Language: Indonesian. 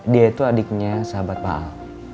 dia tuh adiknya sahabat pak al